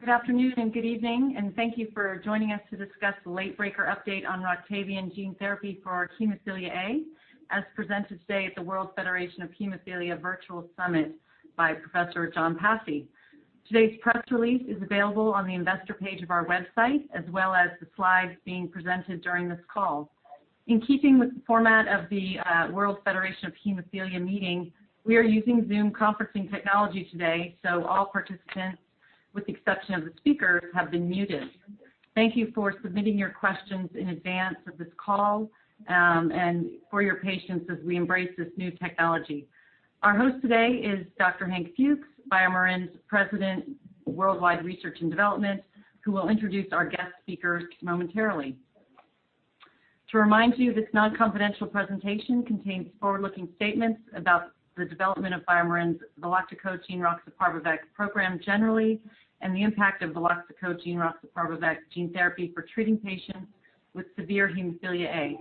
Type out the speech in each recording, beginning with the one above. Good afternoon and good evening, and thank you for joining us to discuss the late-breaker update on Roctavian gene therapy for hemophilia A, as presented today at the World Federation of Hemophilia Virtual Summit by Professor John Pasi. Today's press release is available on the investor page of our website, as well as the slides being presented during this call. In keeping with the format of the World Federation of Hemophilia meeting, we are using Zoom conferencing technology today, so all participants, with the exception of the speakers, have been muted. Thank you for submitting your questions in advance of this call, and for your patience as we embrace this new technology. Our host today is Dr. Hank Fuchs, BioMarin's President, Worldwide Research and Development, who will introduce our guest speakers momentarily. To remind you, this non-confidential presentation contains forward-looking statements about the development of BioMarin's valoctocogene roxaparvovec program generally, and the impact of valoctocogene roxaparvovec gene therapy for treating patients with severe hemophilia A.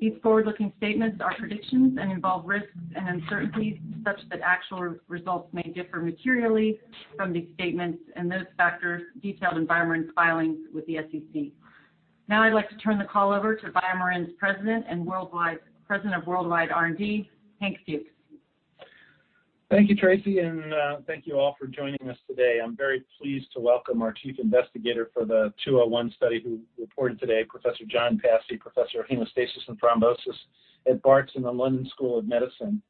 These forward-looking statements are predictions and involve risks and uncertainties such that actual results may differ materially from these statements and those factors detailed in BioMarin's filings with the SEC. Now I'd like to turn the call over to BioMarin's President and Worldwide President of Worldwide R&D, Hank Fuchs. Thank you, Traci, and thank you all for joining us today. I'm very pleased to welcome our chief investigator for the 201 study who reported today, Professor John Pasi, Professor of Haemostasis and Thrombosis at Barts and The London School of Medicine,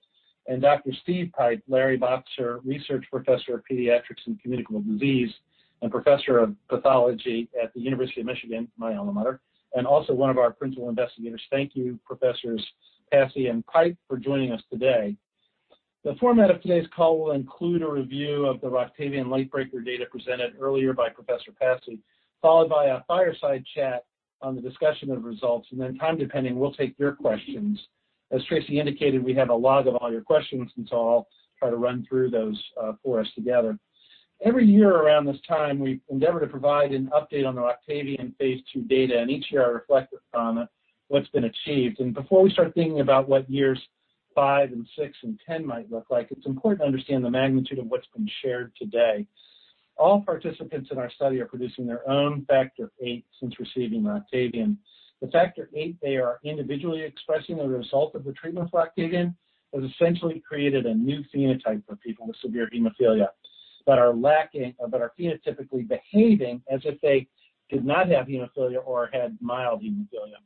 and Dr. Steven Pipe, Larry Boxer Research Professor of Pediatrics and Communicable Disease and Professor of Pathology at the University of Michigan, my alma mater, and also one of our principal investigators. Thank you, Professors Pasi and Pipe, for joining us today. The format of today's call will include a review of the Roctavian late-breaker data presented earlier by Professor Pasi, followed by a fireside chat on the discussion of results, and then time permitting, we'll take your questions. As Traci indicated, we have a log of all your questions, and so I'll try to run through those for us together. Every year around this time, we endeavor to provide an update on the Roctavian Phase 2 data, and each year I reflect upon what's been achieved, and before we start thinking about what years five, six, and 10 might look like, it's important to understand the magnitude of what's been shared today. All participants in our study are producing their own Factor VIII since receiving Roctavian. The Factor VIII they are individually expressing as a result of the treatment for Roctavian has essentially created a new phenotype for people with severe hemophilia that are lacking, that are phenotypically behaving as if they did not have hemophilia or had mild hemophilia.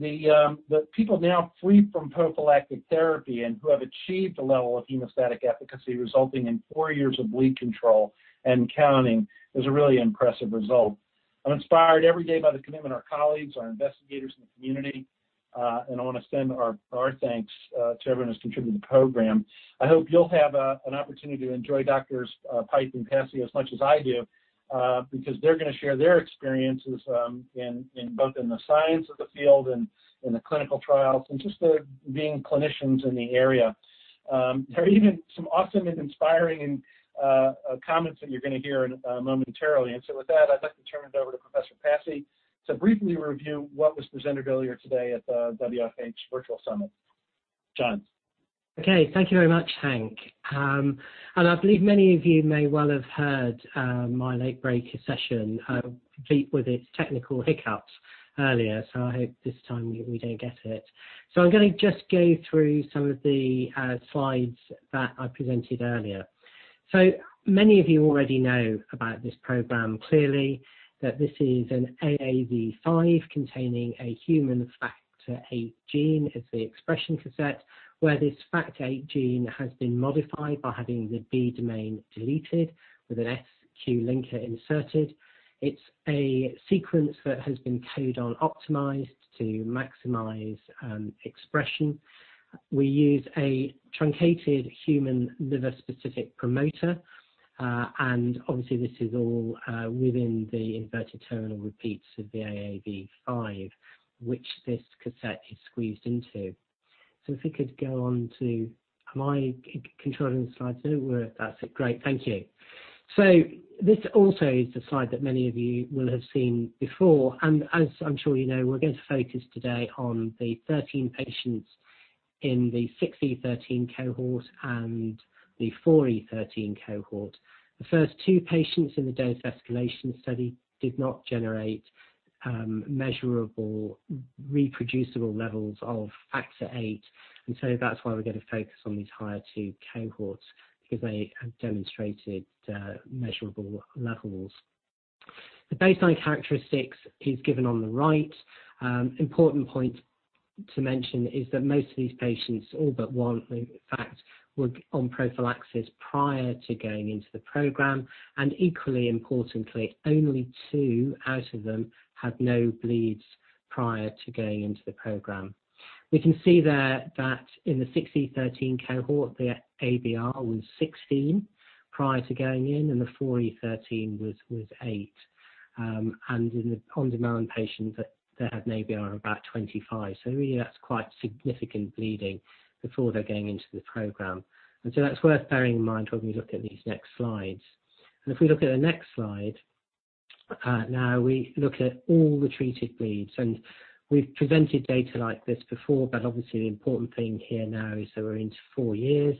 The people now free from prophylactic therapy and who have achieved a level of hemostatic efficacy resulting in four years of bleed control and counting is a really impressive result. I'm inspired every day by the commitment of our colleagues, our investigators, and the community, and I want to send our thanks to everyone who's contributed to the program. I hope you'll have an opportunity to enjoy Doctors Pipe and Pasi as much as I do, because they're going to share their experiences both in the science of the field and in the clinical trials, and just being clinicians in the area. There are even some awesome and inspiring comments that you're going to hear momentarily, and so with that, I'd like to turn it over to Professor Pasi to briefly review what was presented earlier today at the WFH Virtual Summit. John. Okay, thank you very much, Hank. And I believe many of you may well have heard my late-breaker session complete with its technical hiccups earlier, so I hope this time we don't get it. So I'm going to just go through some of the slides that I presented earlier. So many of you already know about this program clearly, that this is an AAV5 containing a human Factor VIII gene as the expression cassette, where this Factor VIII gene has been modified by having the B domain deleted with an SQ linker inserted. It's a sequence that has been codon optimized to maximize expression. We use a truncated human liver-specific promoter, and obviously this is all within the inverted terminal repeats of the AAV5, which this cassette is squeezed into. So if we could go on to, am I controlling the slides? No, we're, that's it, great, thank you. So this also is the slide that many of you will have seen before, and as I'm sure you know, we're going to focus today on the 13 patients in the 6e13 cohort and the 4e13 cohort. The first two patients in the dose escalation study did not generate measurable, reproducible levels of Factor VIII, and so that's why we're going to focus on these higher two cohorts, because they have demonstrated measurable levels. The baseline characteristics is given on the right. Important point to mention is that most of these patients, all but one, in fact, were on prophylaxis prior to going into the program, and equally importantly, only two out of them had no bleeds prior to going into the program. We can see there that in the 6e13 cohort, the ABR was 16 prior to going in, and the 4e13 was 8, and in the on-demand patients, they had an ABR of about 25, so really that's quite significant bleeding before they're going into the program, and so that's worth bearing in mind when we look at these next slides, and if we look at the next slide, now we look at all the treated bleeds, and we've presented data like this before, but obviously the important thing here now is that we're into four years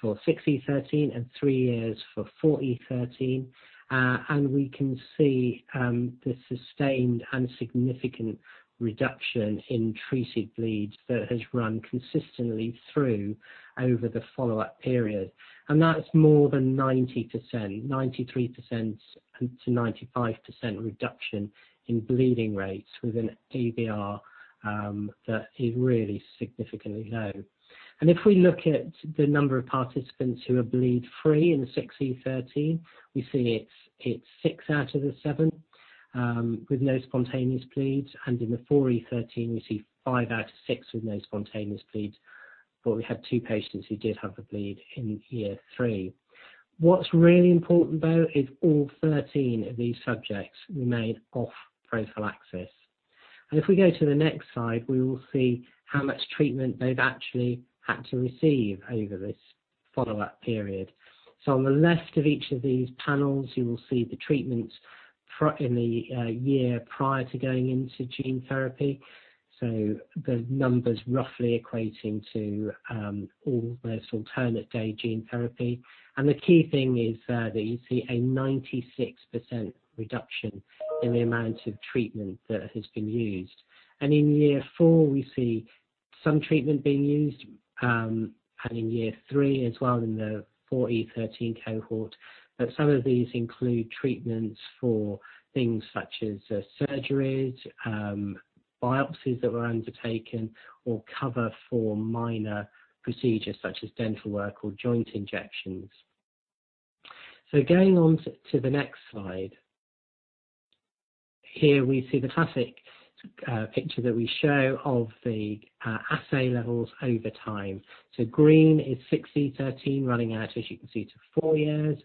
for 6e13 and three years for 4e13, and we can see the sustained and significant reduction in treated bleeds that has run consistently through over the follow-up period, and that's more than 90%, 93% to 95% reduction in bleeding rates with an ABR that is really significantly low. If we look at the number of participants who are bleed-free in the 6e13, we see it's six out of the seven with no spontaneous bleeds, and in the 4e13, we see five out of six with no spontaneous bleeds, but we had two patients who did have a bleed in year three. What's really important though is all 13 of these subjects remain off prophylaxis. If we go to the next slide, we will see how much treatment they've actually had to receive over this follow-up period. On the left of each of these panels, you will see the treatments in the year prior to going into gene therapy, so the numbers roughly equating to almost alternate day gene therapy, and the key thing is that you see a 96% reduction in the amount of treatment that has been used. In year four, we see some treatment being used, and in year three as well in the 4e13 cohort, but some of these include treatments for things such as surgeries, biopsies that were undertaken, or cover for minor procedures such as dental work or joint injections. Going on to the next slide, here we see the classic picture that we show of the assay levels over time. Green is 6e13 running out, as you can see, to four years.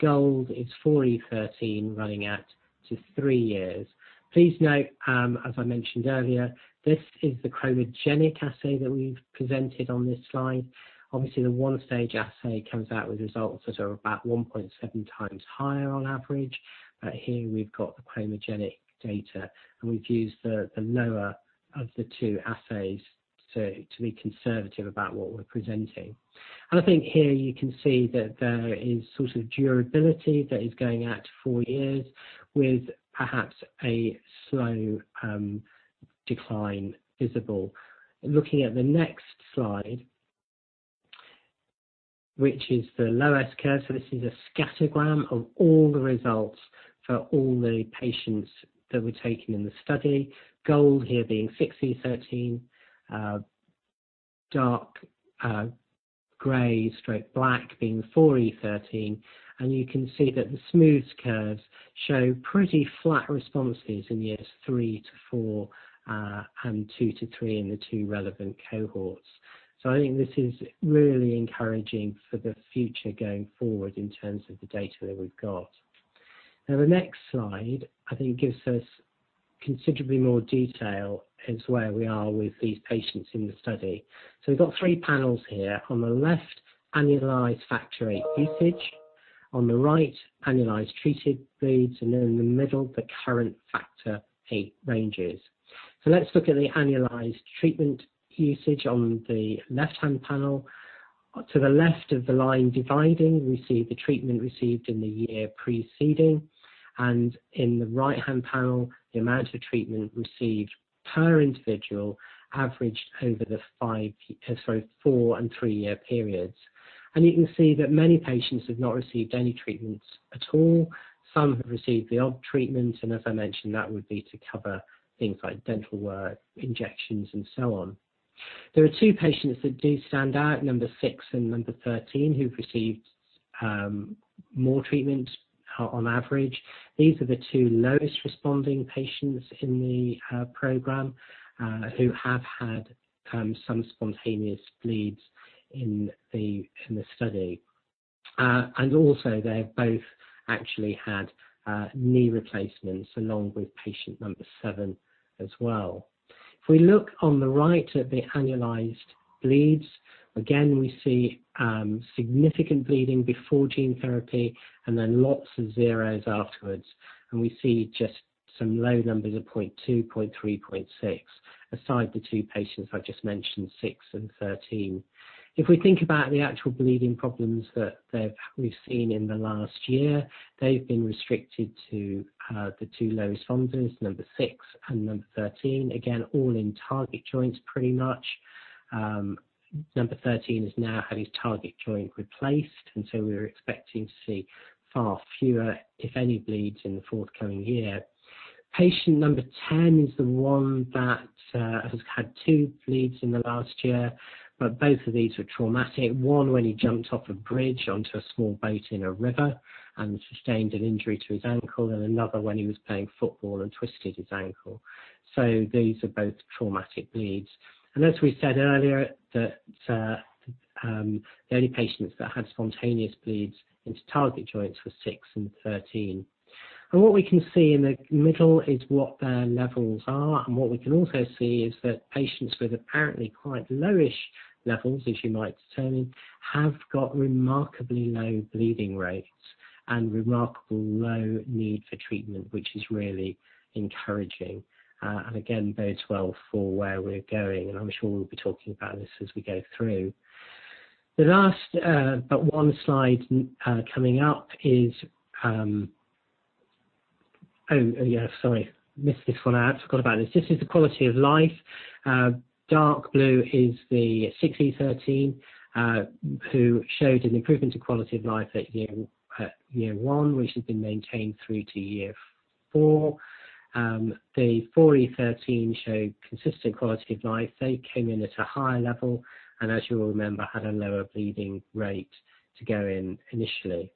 Gold is 4e13 running out to three years. Please note, as I mentioned earlier, this is the chromogenic assay that we've presented on this slide. Obviously, the one-stage assay comes out with results that are about 1.7 times higher on average, but here we've got the chromogenic data, and we've used the lower of the two assays to be conservative about what we're presenting. I think here you can see that there is sort of durability that is going out to four years, with perhaps a slow decline visible. Looking at the next slide, which is the lowest curve, so this is a scattergram of all the results for all the patients that were taken in the study. Gold here being 6e13, dark gray stroke black being 4e13, and you can see that the smooth curves show pretty flat responses in years three to four and two to three in the two relevant cohorts. So I think this is really encouraging for the future going forward in terms of the data that we've got. Now the next slide, I think, gives us considerably more detail as where we are with these patients in the study. So we've got three panels here. On the left, annualized Factor VIII usage. On the right, annualized treated bleeds, and in the middle, the current Factor VIII ranges. So let's look at the annualized treatment usage on the left-hand panel. To the left of the line dividing, we see the treatment received in the year preceding, and in the right-hand panel, the amount of treatment received per individual averaged over the four and three-year periods, and you can see that many patients have not received any treatments at all. Some have received the odd treatment, and as I mentioned, that would be to cover things like dental work, injections, and so on. There are two patients that do stand out, number six and number 13, who've received more treatment on average. These are the two lowest responding patients in the program who have had some spontaneous bleeds in the study. And also, they've both actually had knee replacements along with patient number seven as well. If we look on the right at the annualized bleeds, again, we see significant bleeding before gene therapy and then lots of zeros afterwards, and we see just some low numbers of 0.2, 0.3, 0.6, aside the two patients I just mentioned, six and 13. If we think about the actual bleeding problems that we've seen in the last year, they've been restricted to the two low responders, number six and number 13, again, all in target joints pretty much. Number 13 has now had his target joint replaced, and so we're expecting to see far fewer, if any, bleeds in the forthcoming year. Patient number 10 is the one that has had two bleeds in the last year, but both of these were traumatic. One when he jumped off a bridge onto a small boat in a river and sustained an injury to his ankle, and another when he was playing football and twisted his ankle. So these are both traumatic bleeds, and as we said earlier, the only patients that had spontaneous bleeds into target joints were six and 13. What we can see in the middle is what their levels are, and what we can also see is that patients with apparently quite lowish levels, as you might determine, have got remarkably low bleeding rates and remarkably low need for treatment, which is really encouraging, and again bode well for where we're going, and I'm sure we'll be talking about this as we go through. The last, but one slide coming up is, oh, yeah, sorry, missed this one out, forgot about this. This is the quality of life. Dark blue is the 6e13 who showed an improvement in quality of life at year one, which has been maintained through to year four. The 4e13 showed consistent quality of life. They came in at a higher level, and as you will remember, had a lower bleeding rate to go in initially.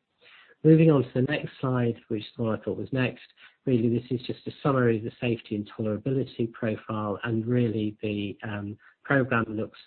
Moving on to the next slide, which is the one I thought was next, really this is just a summary of the safety and tolerability profile, and really the program looks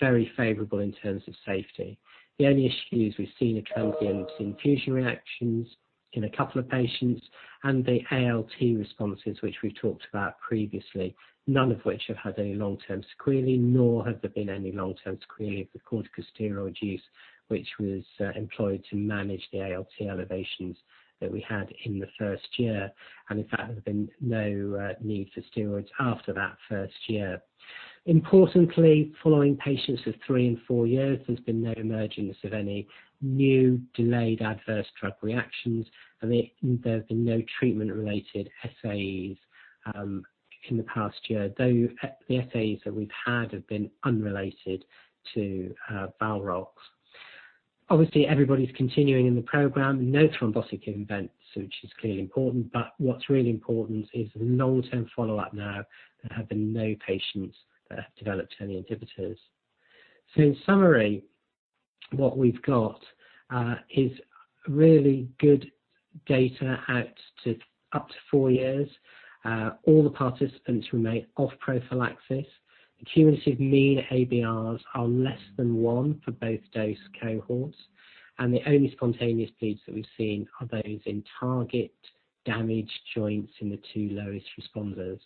very favorable in terms of safety. The only issues we've seen are transient infusion reactions in a couple of patients, and the ALT responses, which we've talked about previously, none of which have had any long-term sequelae, nor have there been any long-term sequelae of the corticosteroid use, which was employed to manage the ALT elevations that we had in the first year, and in fact, there's been no need for steroids after that first year. Importantly, following patients of three and four years, there's been no emergence of any new delayed adverse drug reactions, and there have been no treatment-related SAEs in the past year, though the SAEs that we've had have been unrelated to Valrox. Obviously, everybody's continuing in the program, no thrombotic events, which is clearly important, but what's really important is the long-term follow-up now. There have been no patients that have developed any inhibitors. So in summary, what we've got is really good data out to up to four years. All the participants remain off prophylaxis. The cumulative mean ABRs are less than one for both dose cohorts, and the only spontaneous bleeds that we've seen are those in target damaged joints in the two lowest responders.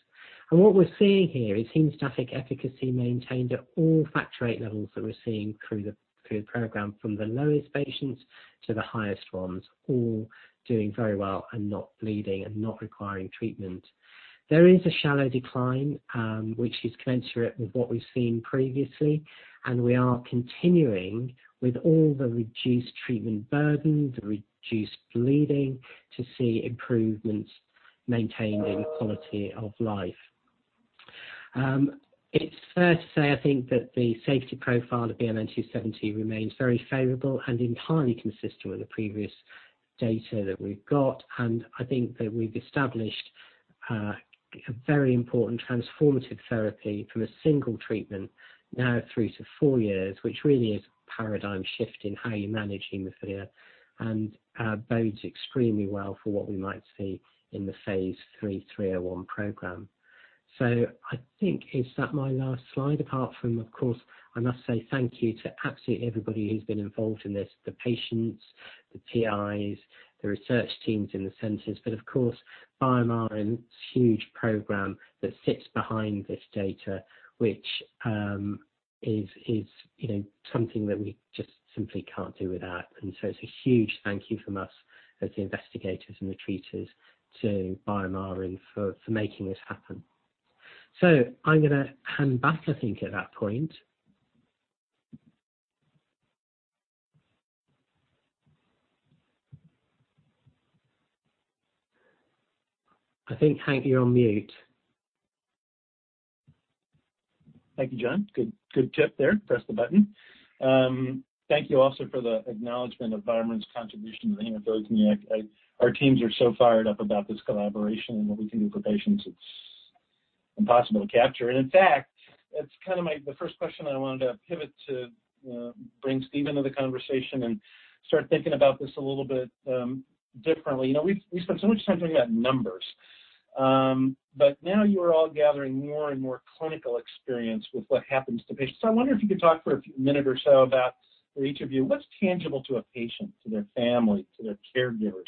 And what we're seeing here is hemostatic efficacy maintained at all Factor VIII levels that we're seeing through the program, from the lowest patients to the highest ones, all doing very well and not bleeding and not requiring treatment. There is a shallow decline, which is commensurate with what we've seen previously, and we are continuing with all the reduced treatment burden, the reduced bleeding, to see improvements maintained in quality of life. It's fair to say, I think, that the safety profile of BMN 270 remains very favorable and entirely consistent with the previous data that we've got, and I think that we've established a very important transformative therapy from a single treatment now through to four years, which really is a paradigm shift in how you manage hemophilia, and bodes extremely well for what we might see in the Phase 3 301 program. So I think that is my last slide, apart from, of course, I must say thank you to absolutely everybody who's been involved in this, the patients, the PIs, the research teams in the centers, but of course, BioMarin's huge program that sits behind this data, which is something that we just simply can't do without, and so it's a huge thank you from us as the investigators and the treaters to BioMarin for making this happen. So I'm going to hand back, I think, at that point. I think, Hank, you're on mute. Thank you, John. Good tip there. Press the button. Thank you also for the acknowledgement of BioMarin's contribution to the hemophilia community. Our teams are so fired up about this collaboration and what we can do for patients. It's impossible to capture, and in fact, that's kind of the first question I wanted to pivot to bring Steven into the conversation and start thinking about this a little bit differently. We spent so much time talking about numbers, but now you are all gathering more and more clinical experience with what happens to patients. So I wonder if you could talk for a minute or so about, for each of you, what's tangible to a patient, to their family, to their caregivers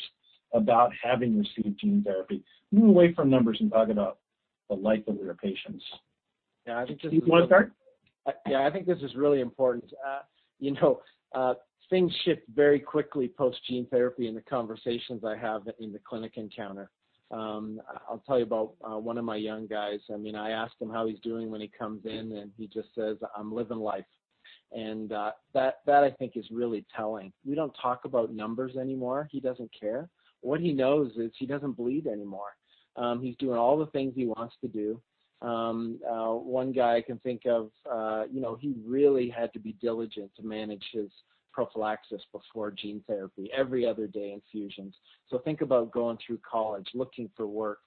about having received gene therapy? Move away from numbers and talk about the life of their patients. Yeah, I think this is. Do you want to start? Yeah, I think this is really important. Things shift very quickly post-gene therapy in the conversations I have in the clinic encounter. I'll tell you about one of my young guys. I mean, I ask him how he's doing when he comes in, and he just says, "I'm living life." And that, I think, is really telling. We don't talk about numbers anymore. He doesn't care. What he knows is he doesn't bleed anymore. He's doing all the things he wants to do. One guy I can think of, he really had to be diligent to manage his prophylaxis before gene therapy, every other day infusions. So think about going through college, looking for work.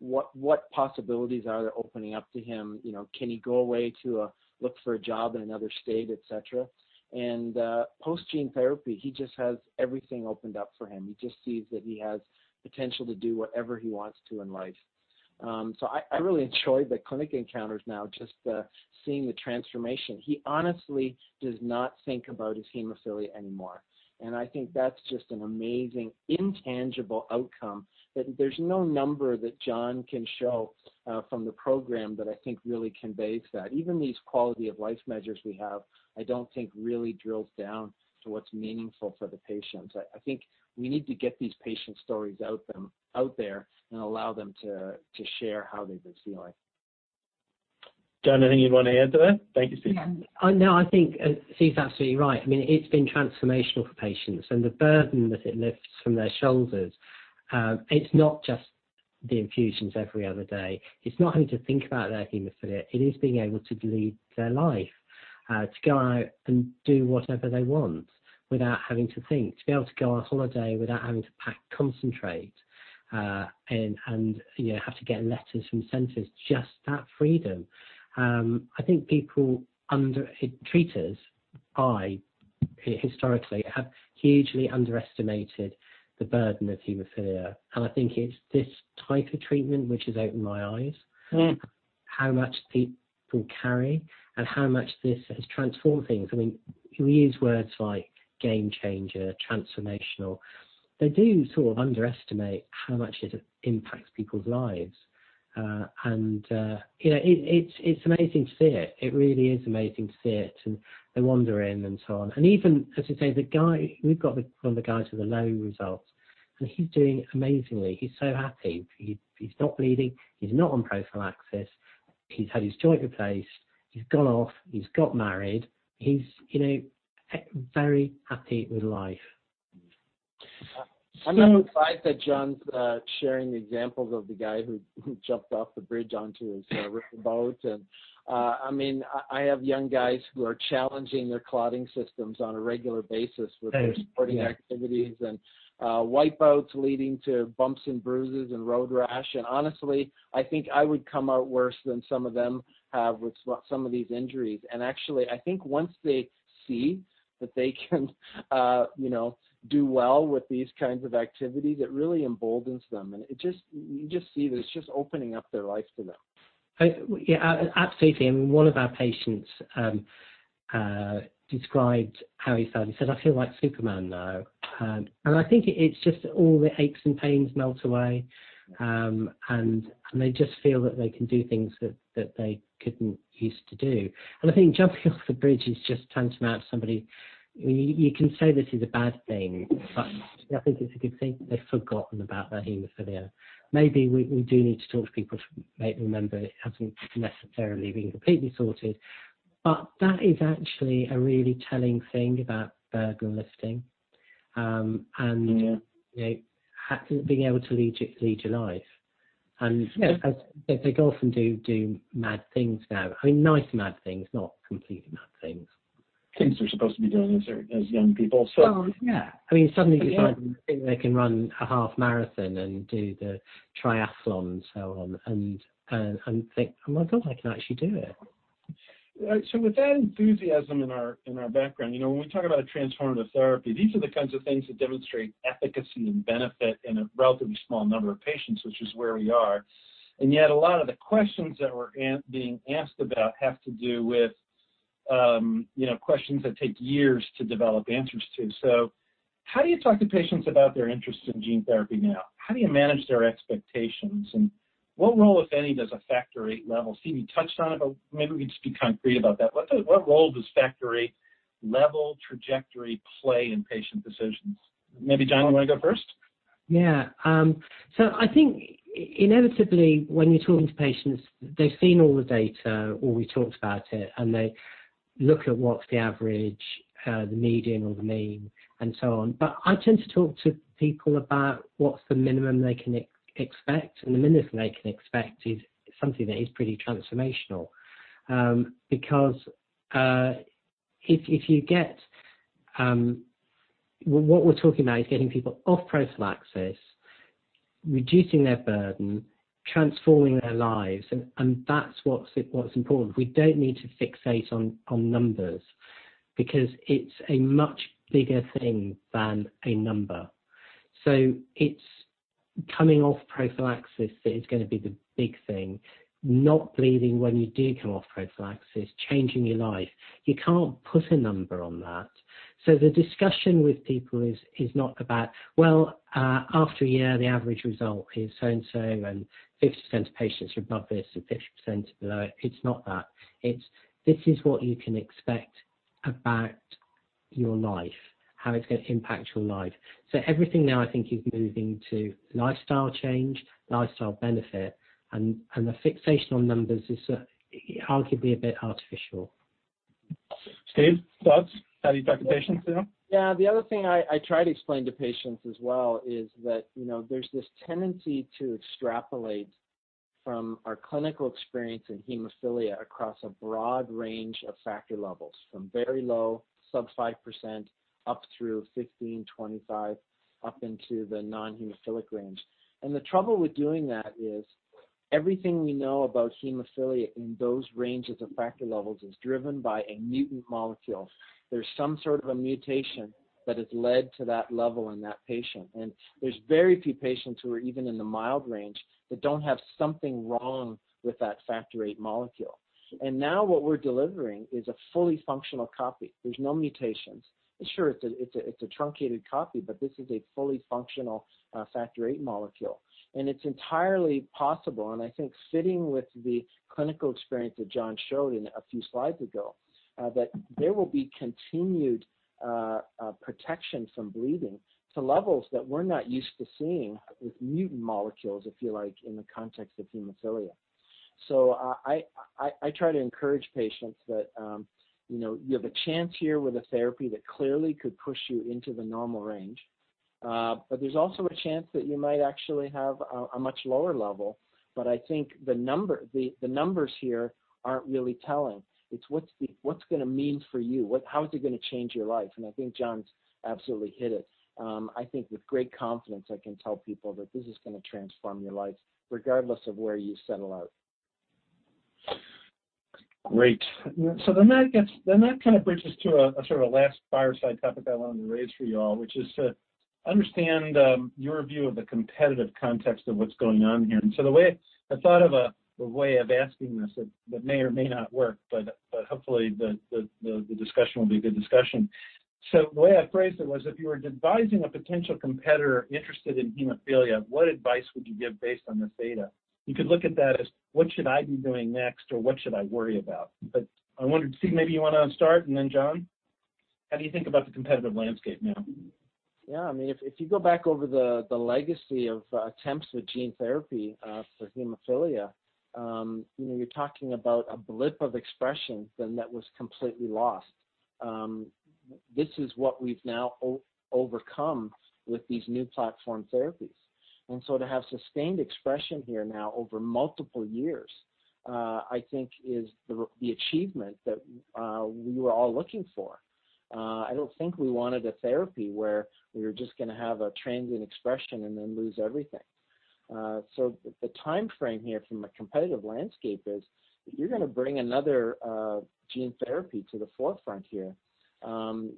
What possibilities are there opening up to him? Can he go away to look for a job in another state, etc.? And post-gene therapy, he just has everything opened up for him. He just sees that he has potential to do whatever he wants to in life. So I really enjoy the clinic encounters now, just seeing the transformation. He honestly does not think about his hemophilia anymore, and I think that's just an amazing intangible outcome that there's no number that John can show from the program that I think really conveys that. Even these quality of life measures we have, I don't think really drills down to what's meaningful for the patients. I think we need to get these patient stories out there and allow them to share how they've been feeling. John, anything you'd want to add to that? Thank you, Steven. Yeah. No, I think Steve's absolutely right. I mean, it's been transformational for patients, and the burden that it lifts from their shoulders. It's not just the infusions every other day. It's not having to think about their hemophilia. It is being able to lead their life, to go out and do whatever they want without having to think, to be able to go on holiday without having to pack, concentrate, and have to get letters from centers. Just that freedom. I think people, treaters, I historically have hugely underestimated the burden of hemophilia, and I think it's this type of treatment which has opened my eyes and how much people carry and how much this has transformed things. I mean, we use words like game changer, transformational. They do sort of underestimate how much it impacts people's lives, and it's amazing to see it. It really is amazing to see it, and they wander in and so on, and even as I say, the guy, we've got one of the guys with the low results, and he's doing amazingly. He's so happy. He's not bleeding. He's not on prophylaxis. He's had his joint replaced. He's gone off. He's got married. He's very happy with life. I'm so excited that John's sharing examples of the guy who jumped off the bridge onto his river boat. And I mean, I have young guys who are challenging their clotting systems on a regular basis with their sporting activities and whitewater boating leading to bumps and bruises and road rash. And honestly, I think I would come out worse than some of them have with some of these injuries. And actually, I think once they see that they can do well with these kinds of activities, it really emboldens them, and you just see that it's just opening up their life to them. Yeah, absolutely. I mean, one of our patients described how he felt. He said, "I feel like Superman now." And I think it's just all the aches and pains melt away, and they just feel that they can do things that they couldn't used to do. And I think jumping off the bridge is just tantamount to somebody. You can say this is a bad thing, but I think it's a good thing. They've forgotten about their hemophilia. Maybe we do need to talk to people to make them remember it hasn't necessarily been completely sorted, but that is actually a really telling thing about burden lifting and being able to lead your life. And they go off and do mad things now. I mean, nice mad things, not completely mad things. Things they're supposed to be doing as young people, so. Oh, yeah. I mean, suddenly you find them think they can run a half marathon and do the triathlon and so on and think, "Oh my God, I can actually do it. So with that enthusiasm in our background, when we talk about transformative therapy, these are the kinds of things that demonstrate efficacy and benefit in a relatively small number of patients, which is where we are. And yet a lot of the questions that we're being asked about have to do with questions that take years to develop answers to. So how do you talk to patients about their interest in gene therapy now? How do you manage their expectations? And what role, if any, does a Factor VIII level? Steve, you touched on it, but maybe we could just be concrete about that. What role does Factor VIII level trajectory play in patient decisions? Maybe John, you want to go first? Yeah. So I think inevitably, when you're talking to patients, they've seen all the data or we've talked about it, and they look at what's the average, the median, or the mean, and so on. But I tend to talk to people about what's the minimum they can expect, and the minimum they can expect is something that is pretty transformational because if you get what we're talking about is getting people off prophylaxis, reducing their burden, transforming their lives, and that's what's important. We don't need to fixate on numbers because it's a much bigger thing than a number. So it's coming off prophylaxis that is going to be the big thing. Not bleeding when you do come off prophylaxis, changing your life. You can't put a number on that. So the discussion with people is not about, "Well, after a year, the average result is so and so, and 50% of patients are above this and 50% are below it." It's not that. It's, "This is what you can expect about your life, how it's going to impact your life." So everything now, I think, is moving to lifestyle change, lifestyle benefit, and the fixation on numbers is arguably a bit artificial. Steve, thoughts? How do you talk to patients now? Yeah. The other thing I try to explain to patients as well is that there's this tendency to extrapolate from our clinical experience in hemophilia across a broad range of factor levels, from very low, sub 5%, up through 15, 25, up into the non-hemophilic range. And the trouble with doing that is everything we know about hemophilia in those ranges of factor levels is driven by a mutant molecule. There's some sort of a mutation that has led to that level in that patient, and there's very few patients who are even in the mild range that don't have something wrong with that Factor VIII molecule. And now what we're delivering is a fully functional copy. There's no mutations. Sure, it's a truncated copy, but this is a fully functional Factor VIII molecule. And it's entirely possible, and I think fitting with the clinical experience that John showed a few slides ago, that there will be continued protection from bleeding to levels that we're not used to seeing with mutant molecules, if you like, in the context of hemophilia. So I try to encourage patients that you have a chance here with a therapy that clearly could push you into the normal range, but there's also a chance that you might actually have a much lower level. But I think the numbers here aren't really telling. It's what's going to mean for you. How is it going to change your life? And I think John's absolutely hit it. I think with great confidence, I can tell people that this is going to transform your life regardless of where you settle out. Great, so then that kind of bridges to a sort of last fireside topic I wanted to raise for you all, which is to understand your view of the competitive context of what's going on here, and so the way I thought of a way of asking this that may or may not work, but hopefully the discussion will be a good discussion, so the way I phrased it was, if you were advising a potential competitor interested in hemophilia, what advice would you give based on this data? You could look at that as, "What should I be doing next?" or, "What should I worry about?" But I wondered, Steve, maybe you want to start, and then John, how do you think about the competitive landscape now? Yeah. I mean, if you go back over the legacy of attempts with gene therapy for hemophilia, you're talking about a blip of expression then that was completely lost. This is what we've now overcome with these new platform therapies, and so to have sustained expression here now over multiple years, I think, is the achievement that we were all looking for. I don't think we wanted a therapy where we were just going to have a transient expression and then lose everything, so the timeframe here from a competitive landscape is if you're going to bring another gene therapy to the forefront here,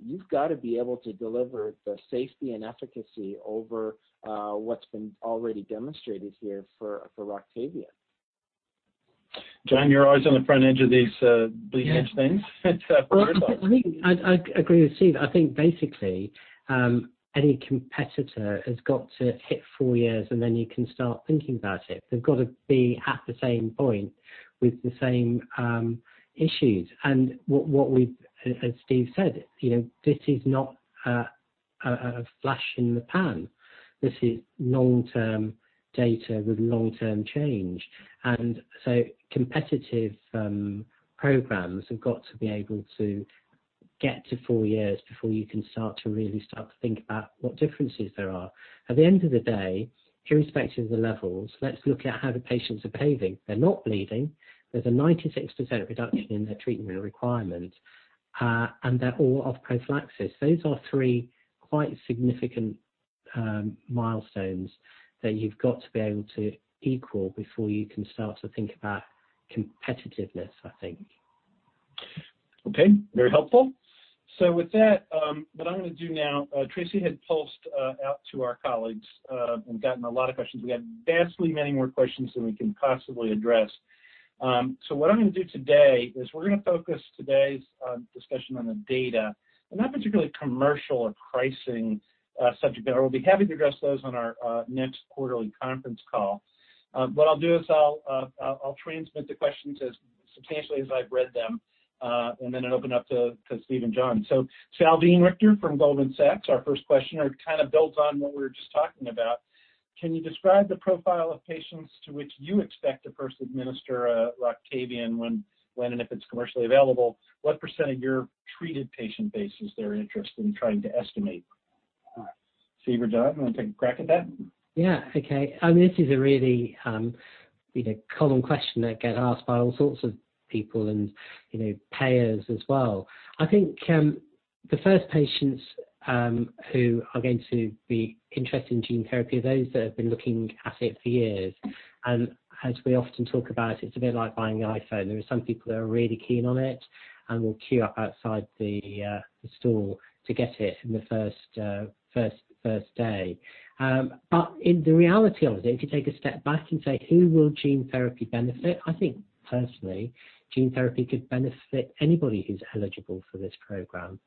you've got to be able to deliver the safety and efficacy over what's been already demonstrated here for Roctavian. John, your eyes on the front edge of these bleeding edge things for yourself. I agree with Steve. I think basically any competitor has got to hit four years, and then you can start thinking about it. They've got to be at the same point with the same issues. And what we, as Steve said, this is not a flash in the pan. This is long-term data with long-term change. And so competitive programs have got to be able to get to four years before you can start to really start to think about what differences there are. At the end of the day, irrespective of the levels, let's look at how the patients are behaving. They're not bleeding. There's a 96% reduction in their treatment requirements, and they're all off prophylaxis. Those are three quite significant milestones that you've got to be able to equal before you can start to think about competitiveness, I think. Okay. Very helpful. So with that, what I'm going to do now, Traci had pushed out to our colleagues and gotten a lot of questions. We have vastly many more questions than we can possibly address. So what I'm going to do today is we're going to focus today's discussion on the data, and not particularly commercial or pricing subject, but we'll be happy to address those on our next quarterly conference call. What I'll do is I'll transmit the questions as substantially as I've read them, and then I'll open up to Steve and John. So Salveen Richter from Goldman Sachs, our first questioner, kind of builds on what we were just talking about. Can you describe the profile of patients to which you expect to first administer Roctavian when, and if it's commercially available, what % of your treated patient base is there interest in trying to estimate? All right. Steve, or John, you want to take a crack at that? Yeah. Okay. I mean, this is a really common question that gets asked by all sorts of people and payers as well. I think the first patients who are going to be interested in gene therapy are those that have been looking at it for years. And as we often talk about, it's a bit like buying an iPhone. There are some people that are really keen on it and will queue up outside the store to get it in the first day. But in the reality of it, if you take a step back and say, "Who will gene therapy benefit?" I think personally, gene therapy could benefit anybody who's eligible for this program,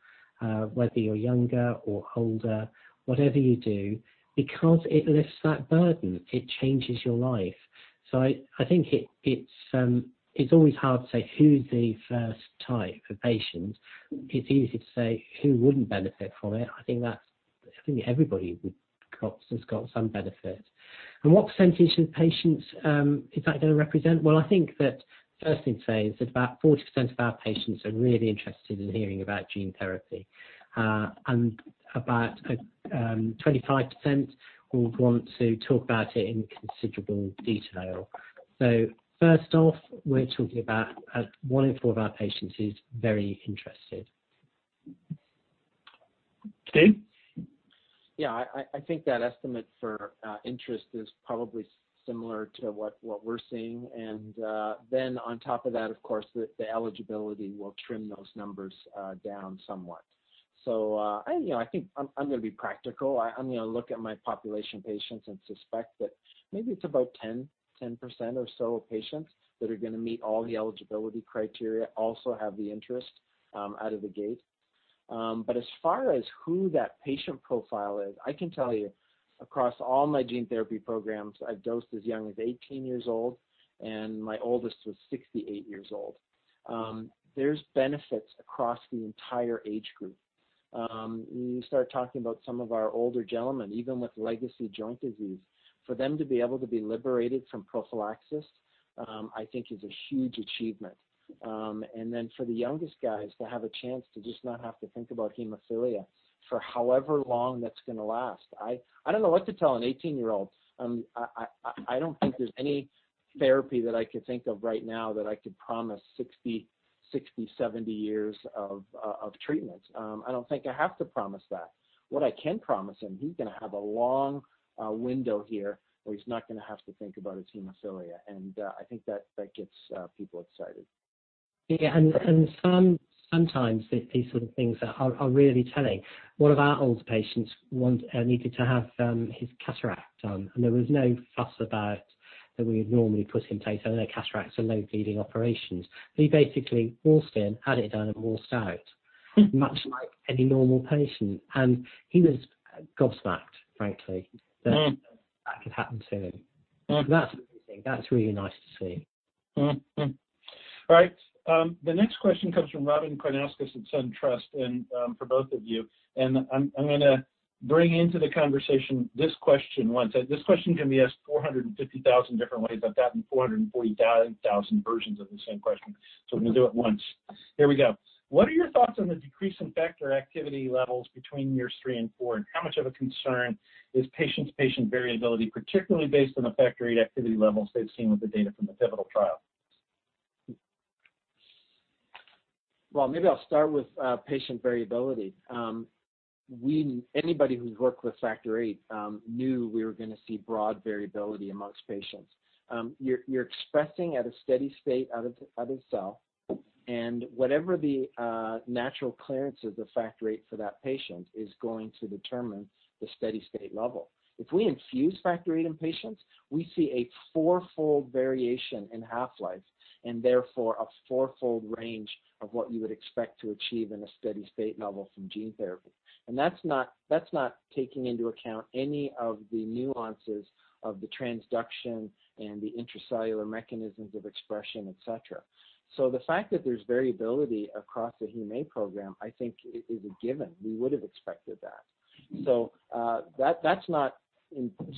whether you're younger or older, whatever you do, because it lifts that burden. It changes your life. So I think it's always hard to say who's the first type of patient. It's easy to say who wouldn't benefit from it. I think everybody has got some benefit. And what percentage of patients is that going to represent? Well, I think that first thing to say is that about 40% of our patients are really interested in hearing about gene therapy, and about 25% would want to talk about it in considerable detail. So first off, we're talking about one in four of our patients is very interested. Steve? Yeah. I think that estimate for interest is probably similar to what we're seeing. And then on top of that, of course, the eligibility will trim those numbers down somewhat. So I think I'm going to be practical. I'm going to look at my population patients and suspect that maybe it's about 10% or so of patients that are going to meet all the eligibility criteria, also have the interest out of the gate. But as far as who that patient profile is, I can tell you across all my gene therapy programs, I've dosed as young as 18 years old, and my oldest was 68 years old. There's benefits across the entire age group. You start talking about some of our older gentlemen, even with legacy joint disease, for them to be able to be liberated from prophylaxis, I think, is a huge achievement. And then for the youngest guys to have a chance to just not have to think about hemophilia for however long that's going to last. I don't know what to tell an 18-year-old. I don't think there's any therapy that I could think of right now that I could promise 60, 60, 70 years of treatment. I don't think I have to promise that. What I can promise him, he's going to have a long window here where he's not going to have to think about his hemophilia. And I think that gets people excited. Yeah. And sometimes these sort of things are really telling. One of our older patients needed to have his cataract done, and there was no fuss about that we would normally put him to any cataracts or low bleeding operations. He basically forced in, had it done, and washed out, much like any normal patient. And he was gobsmacked, frankly, that that could happen to him. That's amazing. That's really nice to see. All right. The next question comes from Robyn Karnauskas at SunTrust and for both of you. And I'm going to bring into the conversation this question once. This question can be asked 450,000 different ways. I've gotten 440,000 versions of the same question, so we're going to do it once. Here we go. What are your thoughts on the decrease in Factor activity levels between years three and four, and how much of a concern is patient-to-patient variability, particularly based on the Factor VIII activity levels they've seen with the data from the pivotal trial? Maybe I'll start with patient variability. Anybody who's worked with Factor VIII knew we were going to see broad variability among patients. You're expressing at a steady state out of cell, and whatever the natural clearances of Factor VIII for that patient is going to determine the steady state level. If we infuse Factor VIII in patients, we see a fourfold variation in half-life and therefore a fourfold range of what you would expect to achieve in a steady state level from gene therapy. And that's not taking into account any of the nuances of the transduction and the intracellular mechanisms of expression, etc. The fact that there's variability across the Hemophilia A program, I think, is a given. We would have expected that. That's not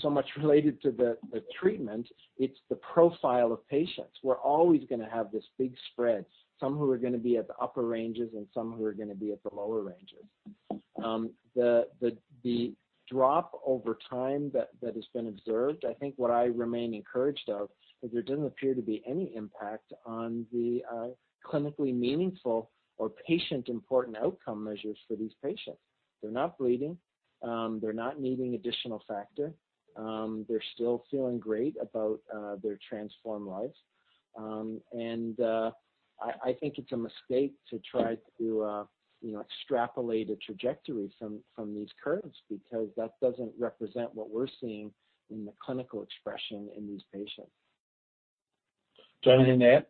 so much related to the treatment. It's the profile of patients. We're always going to have this big spread, some who are going to be at the upper ranges and some who are going to be at the lower ranges. The drop over time that has been observed, I think what I remain encouraged of is there doesn't appear to be any impact on the clinically meaningful or patient-important outcome measures for these patients. They're not bleeding. They're not needing additional factor. They're still feeling great about their transformed life. And I think it's a mistake to try to extrapolate a trajectory from these curves because that doesn't represent what we're seeing in the clinical expression in these patients. John are you in there?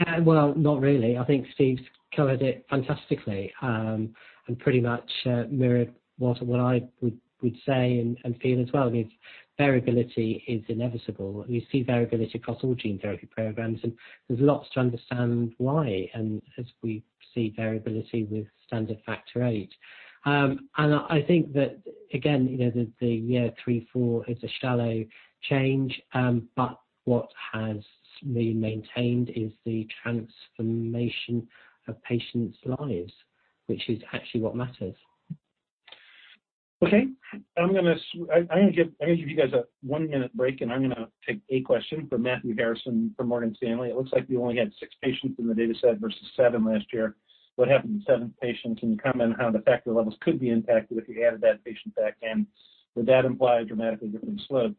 Not really. I think Steve's covered it fantastically and pretty much mirrored what I would say and feel as well. I mean, variability is inevitable. We see variability across all gene therapy programs, and there's lots to understand why, and as we see variability with standard Factor VIII. I think that, again, the year three, four is a shallow change, but what has been maintained is the transformation of patients' lives, which is actually what matters. Okay. I'm going to give you guys a one-minute break, and I'm going to take a question from Matthew Harrison from Morgan Stanley. It looks like you only had six patients in the data set versus seven last year. What happened to seventh patient? Can you comment on how the factor levels could be impacted if you added that patient back in? Would that imply a dramatically different slope?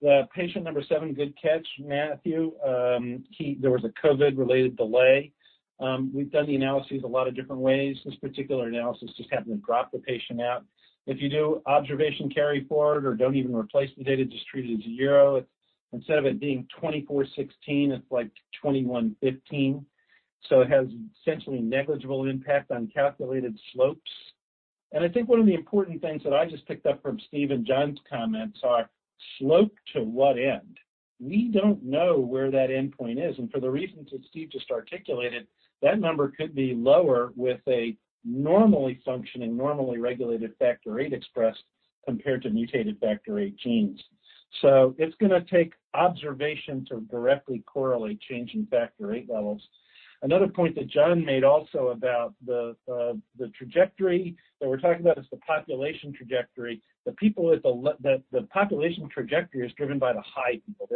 The patient number seven, good catch, Matthew. There was a COVID-related delay. We've done the analysis a lot of different ways. This particular analysis just happened to drop the patient out. If you do observation carry forward or don't even replace the data, just treat it as a zero, instead of it being 2416, it's like 2115. So it has essentially negligible impact on calculated slopes. I think one of the important things that I just picked up from Steve and John's comments are slope to what end? We don't know where that endpoint is. For the reasons that Steve just articulated, that number could be lower with a normally functioning, normally regulated Factor VIII expressed compared to mutated Factor VIII genes. It's going to take observation to directly correlate change in Factor VIII levels. Another point that John made also about the trajectory that we're talking about is the population trajectory. The population trajectory is driven by the high people.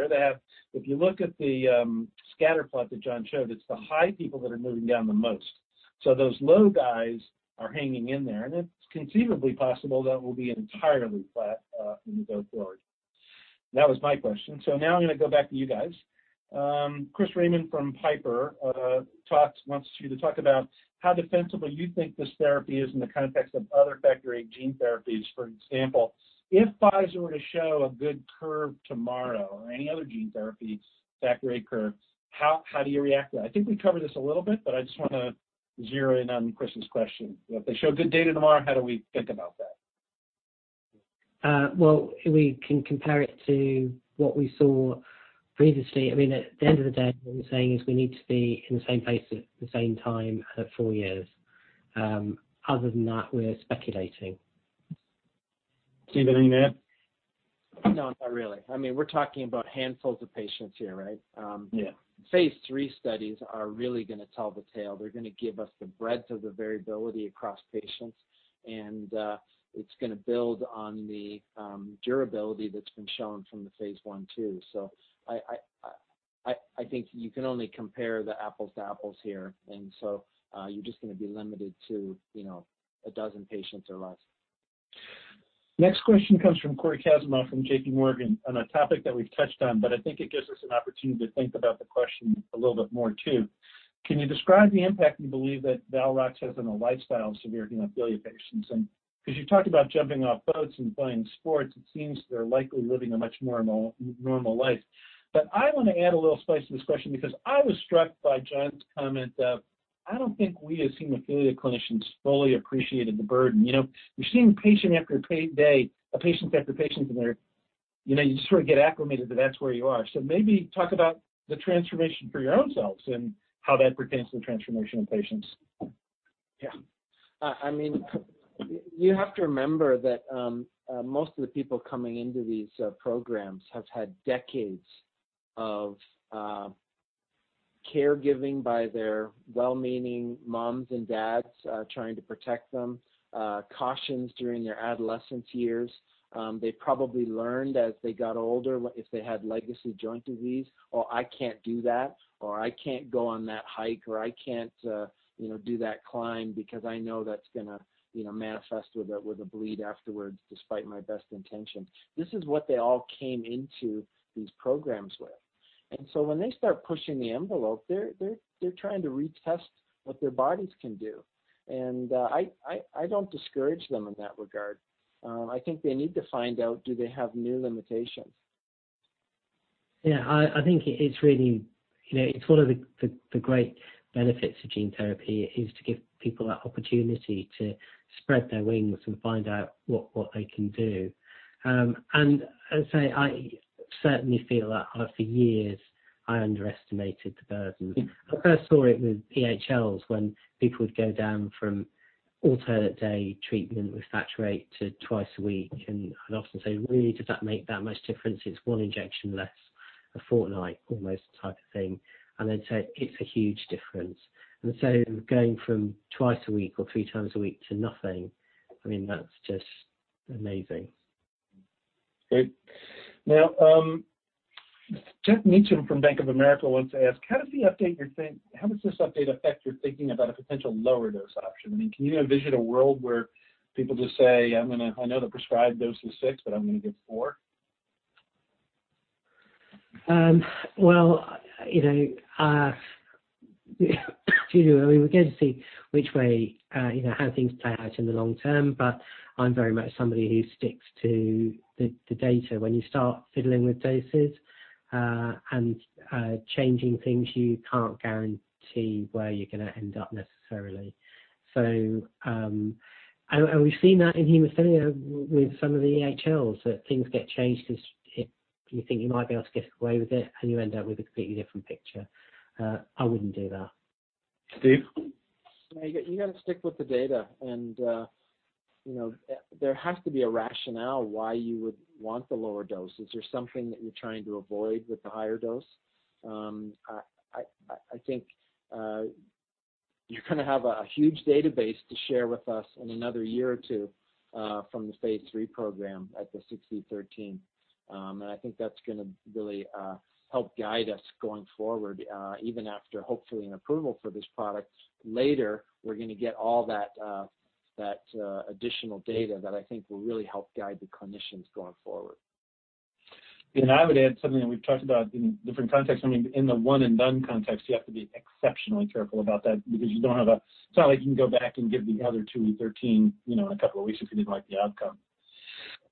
If you look at the scatter plot that John showed, it's the high people that are moving down the most. Those low guys are hanging in there, and it's conceivably possible that will be entirely flat when we go forward. That was my question. So now I'm going to go back to you guys. Chris Raymond from Piper wants you to talk about how defensible you think this therapy is in the context of other Factor VIII gene therapies, for example. If Pfizer were to show a good curve tomorrow or any other gene therapy Factor VIII curve, how do you react to that? I think we covered this a little bit, but I just want to zero in on Chris's question. If they show good data tomorrow, how do we think about that? We can compare it to what we saw previously. I mean, at the end of the day, what we're saying is we need to be in the same place at the same time at four years. Other than that, we're speculating. Steven, anything there? No, not really. I mean, we're talking about handfuls of patients here, right? Yeah. Phase 3 studies are really going to tell the tale. They're going to give us the breadth of the variability across patients, and it's going to build on the durability that's been shown from the Phase 1/2. So I think you can only compare the apples to apples here, and so you're just going to be limited to a dozen patients or less. Next question comes from Cory Kasimov from J.P. Morgan on a topic that we've touched on, but I think it gives us an opportunity to think about the question a little bit more too. Can you describe the impact you believe that Valrox has on the lifestyle of severe hemophilia patients? And because you talked about jumping off boats and playing sports, it seems they're likely living a much more normal life. But I want to add a little spice to this question because I was struck by John's comment of, "I don't think we as hemophilia clinicians fully appreciated the burden." You're seeing patient after patient after patient, and you just sort of get acclimated to that's where you are. So maybe talk about the transformation for your own selves and how that pertains to the transformation of patients. Yeah. I mean, you have to remember that most of the people coming into these programs have had decades of caregiving by their well-meaning moms and dads trying to protect them, cautions during their adolescent years. They probably learned as they got older if they had legacy joint disease, "Oh, I can't do that," or, "I can't go on that hike," or, "I can't do that climb because I know that's going to manifest with a bleed afterwards despite my best intention." This is what they all came into these programs with. And so when they start pushing the envelope, they're trying to retest what their bodies can do. And I don't discourage them in that regard. I think they need to find out, do they have new limitations? Yeah. I think it's really one of the great benefits of gene therapy is to give people that opportunity to spread their wings and find out what they can do. And I say I certainly feel that for years, I underestimated the burden. I first saw it with EHLs when people would go down from alternate-day treatment with Factor VIII to twice a week. And I'd often say, "Really, does that make that much difference? It's one injection less, a fortnight almost type of thing." And they'd say, "It's a huge difference." And so going from twice a week or three times a week to nothing, I mean, that's just amazing. Great. Now, Geoff Meacham from Bank of America wants to ask, "How does this update affect your thinking about a potential lower dose option?" I mean, can you envision a world where people just say, "I know the prescribed dose is six, but I'm going to give four"? Well, I mean, we're going to see which way how things play out in the long term, but I'm very much somebody who sticks to the data. When you start fiddling with doses and changing things, you can't guarantee where you're going to end up necessarily. And we've seen that in hemophilia with some of the EHLs that things get changed because you think you might be able to get away with it, and you end up with a completely different picture. I wouldn't do that. Steve? You got to stick with the data. And there has to be a rationale why you would want the lower dose. Is there something that you're trying to avoid with the higher dose? I think you're going to have a huge database to share with us in another year or two from the phase three program at the 6e13. And I think that's going to really help guide us going forward, even after hopefully an approval for this product. Later, we're going to get all that additional data that I think will really help guide the clinicians going forward. I would add something that we've talked about in different contexts. I mean, in the one-and-done context, you have to be exceptionally careful about that because you don't have a, it's not like you can go back and give the other two and 13 in a couple of weeks if you didn't like the outcome.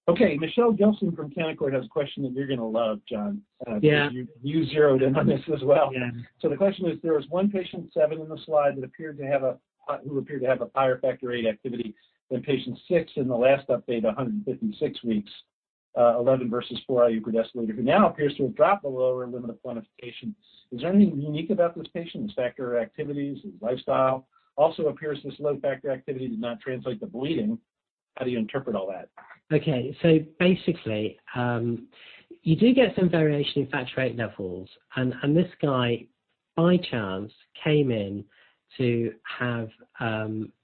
Okay. Michelle Gilson from Canaccord Genuity has a question that you're going to love, John. You zeroed in on this as well. So the question is, there was one patient, seven in the slide, who appeared to have a higher Factor VIII activity than patient six in the last update, 156 weeks, 11 versus 4 IU per deciliter, who now appears to have dropped the lower limit of quantitation. Is there anything unique about this patient, his factor activities, his lifestyle? Also, it appears this low factor activity did not translate to bleeding. How do you interpret all that? Okay. So basically, you do get some variation in Factor VIII levels. And this guy, by chance, came in to have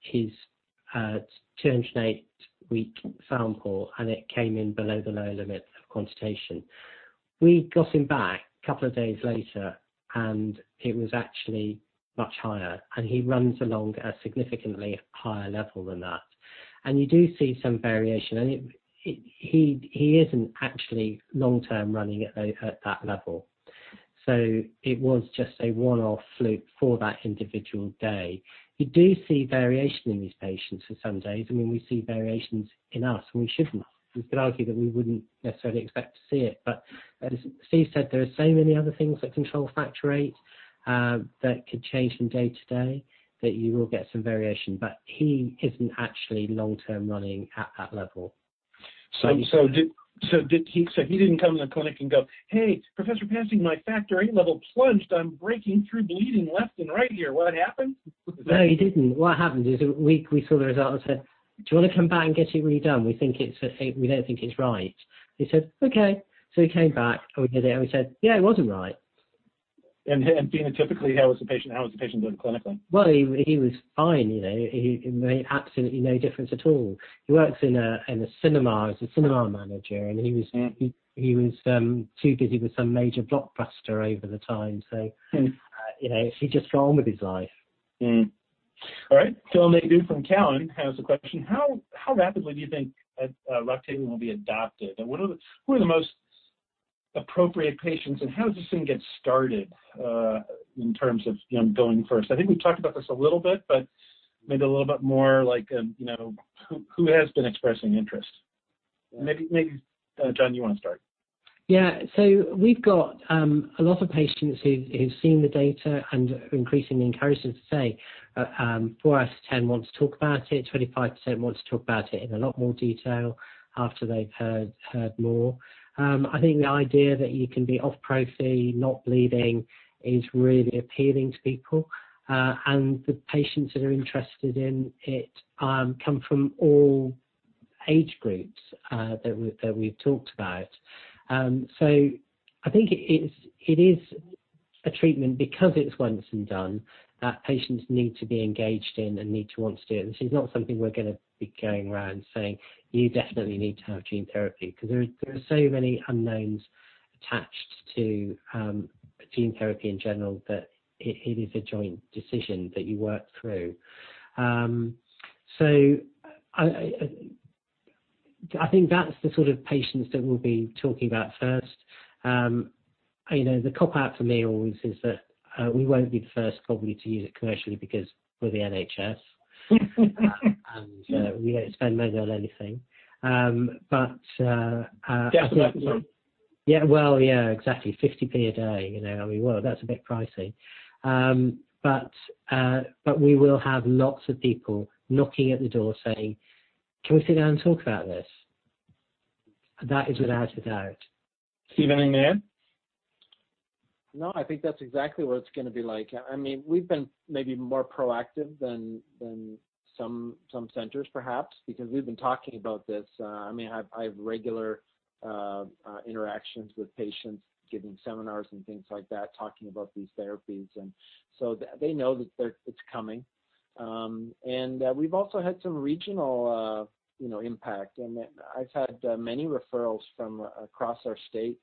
his 208-week sample, and it came in below the lower limit of quantitation. We got him back a couple of days later, and it was actually much higher. And he runs along a significantly higher level than that. And you do see some variation. And he isn't actually long-term running at that level. So it was just a one-off fluke for that individual day. You do see variation in these patients for some days. I mean, we see variations in us, and we shouldn't. We could argue that we wouldn't necessarily expect to see it. But as Steve said, there are so many other things that control Factor VIII that could change from day to day that you will get some variation. But he isn't actually long-term running at that level. So he didn't come to the clinic and go, "Hey, Professor Pasi, my Factor VIII level plunged. I'm breaking through bleeding left and right here. What happened? No, he didn't. What happened is we saw the results and said, "Do you want to come back and get it redone? We don't think it's right." He said, "Okay." So he came back, and we did it. And we said, "Yeah, it wasn't right. Phenotypically, how was the patient? How was the patient doing clinically? He was fine. He made absolutely no difference at all. He works in a cinema. He's a cinema manager. He was too busy with some major blockbuster over the time. He just got on with his life. All right. Phil Nadeau from Cowen has a question. How rapidly do you think Roctavian will be adopted? And who are the most appropriate patients? And how does this thing get started in terms of going first? I think we've talked about this a little bit, but maybe a little bit more like who has been expressing interest? Maybe, John, you want to start. Yeah. So we've got a lot of patients who've seen the data and are increasingly encouraged to say, "4 out of 10 want to talk about it. 25% want to talk about it in a lot more detail after they've heard more." I think the idea that you can be off-prophy, not bleeding, is really appealing to people. And the patients that are interested in it come from all age groups that we've talked about. So I think it is a treatment because it's once and done that patients need to be engaged in and need to want to do it. This is not something we're going to be going around saying, "You definitely need to have gene therapy," because there are so many unknowns attached to gene therapy in general that it is a joint decision that you work through. So I think that's the sort of patients that we'll be talking about first. The cop-out for me always is that we won't be the first, probably, to use it commercially because we're the NHS, and we don't spend money on anything. But. cash light, sorry. Yeah, well, yeah, exactly. 0.50 a day. I mean, well, that's a bit pricey. But we will have lots of people knocking at the door saying, "Can we sit down and talk about this?" That is without a doubt. Steven, anything there? No, I think that's exactly what it's going to be like. I mean, we've been maybe more proactive than some centers, perhaps, because we've been talking about this. I mean, I have regular interactions with patients, giving seminars and things like that, talking about these therapies. And so they know that it's coming. And we've also had some regional impact. And I've had many referrals from across our state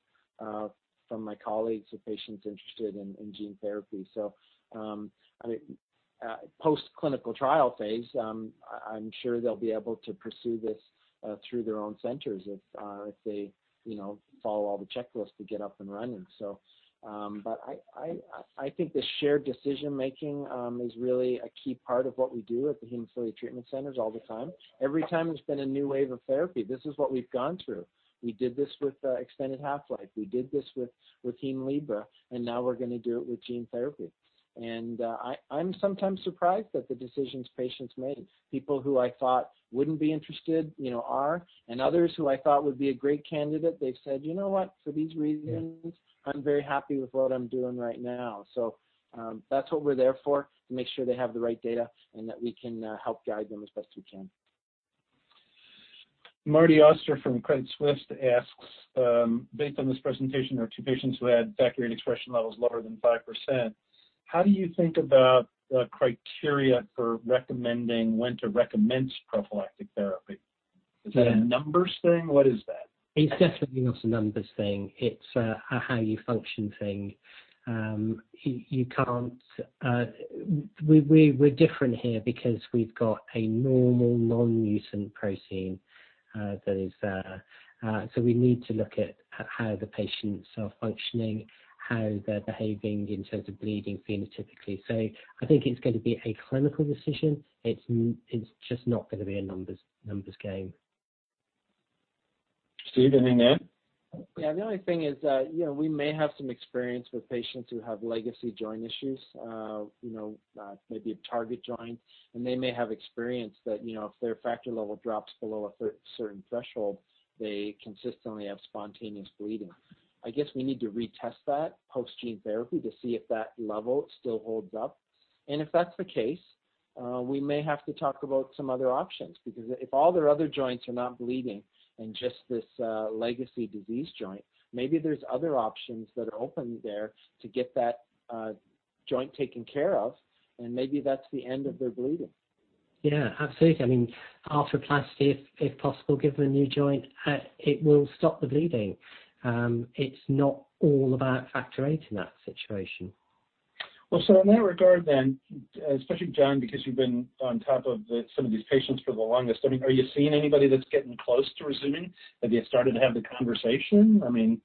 from my colleagues of patients interested in gene therapy. So I mean, post-clinical trial phase, I'm sure they'll be able to pursue this through their own centers if they follow all the checklists to get up and running. But I think the shared decision-making is really a key part of what we do at the hemophilia treatment centers all the time. Every time there's been a new wave of therapy, "This is what we've gone through. We did this with extended half-life. We did this with Hemlibra. And now we're going to do it with gene therapy." And I'm sometimes surprised at the decisions patients make. People who I thought wouldn't be interested are, and others who I thought would be a great candidate, they've said, "You know what? For these reasons, I'm very happy with what I'm doing right now." So that's what we're there for, to make sure they have the right data and that we can help guide them as best we can. Martin Auster from Credit Suisse asks, "Based on this presentation, there are two patients who had Factor VIII expression levels lower than 5%. How do you think about the criteria for recommending when to recommence prophylactic therapy?" Is that a numbers thing? What is that? It's definitely not a numbers thing. It's a how-you-function thing. We're different here because we've got a normal non-mutant protein that is there. So we need to look at how the patients are functioning, how they're behaving in terms of bleeding phenotypically. So I think it's going to be a clinical decision. It's just not going to be a numbers game. Steve, anything there? Yeah. The only thing is we may have some experience with patients who have legacy joint issues, maybe a target joint. And they may have experience that if their factor level drops below a certain threshold, they consistently have spontaneous bleeding. I guess we need to retest that post-gene therapy to see if that level still holds up. And if that's the case, we may have to talk about some other options because if all their other joints are not bleeding and just this legacy disease joint, maybe there's other options that are open there to get that joint taken care of. And maybe that's the end of their bleeding. Yeah. Absolutely. I mean, arthroplasty, if possible, give them a new joint. It will stop the bleeding. It's not all about Factor VIII in that situation. Well, so in that regard then, especially John, because you've been on top of some of these patients for the longest, I mean, are you seeing anybody that's getting close to resuming, that they've started to have the conversation? I mean.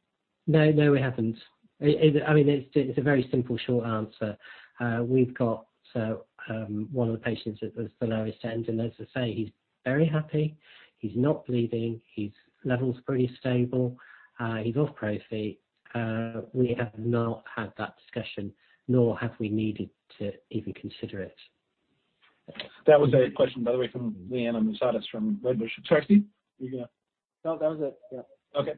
No, no, we haven't. I mean, it's a very simple, short answer. We've got one of the patients that was the lowest end, and as I say, he's very happy. He's not bleeding. His level's pretty stable. He's off prophy. We have not had that discussion, nor have we needed to even consider it. That was a question, by the way, from Liana Moussatos from Wedbush Securities. Sorry, Steve. No, that was it. Yeah. Okay.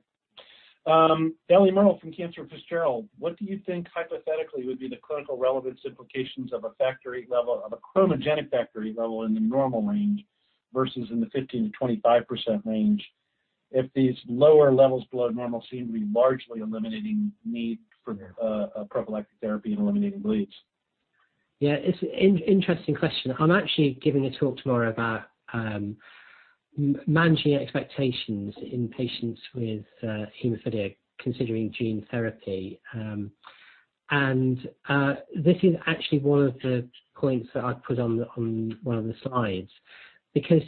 Eliana Merle from Cantor Fitzgerald, "What do you think hypothetically would be the clinical relevance implications of a chromogenic Factor VIII level in the normal range versus in the 15%-25% range if these lower levels below normal seem to be largely eliminating need for prophylactic therapy and eliminating bleeds? Yeah. It's an interesting question. I'm actually giving a talk tomorrow about managing expectations in patients with hemophilia considering gene therapy. And this is actually one of the points that I've put on one of the slides because